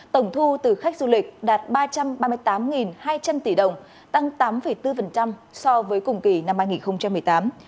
tổng thu từ khách du lịch đạt ba trăm ba mươi tám hai trăm linh tỷ đồng tăng tám bốn so với cùng kỳ năm hai nghìn một mươi tám